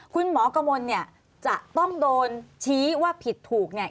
คุณหมอกระมวลเนี่ยจะต้องโดนชี้ว่าผิดถูกเนี่ย